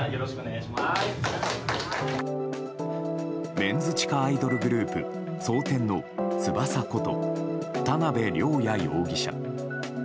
メンズ地下アイドルグループ蒼天の翼こと田辺稜弥容疑者。